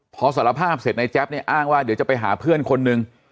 พอสารภาพเสร็จในแจ๊บเนี่ยอ้างว่าเดี๋ยวจะไปหาเพื่อนคนนึง